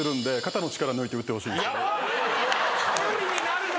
・頼りになるな。